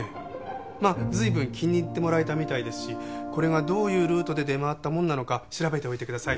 まあ随分気に入ってもらえたみたいですしこれがどういうルートで出回ったものなのか調べておいてください。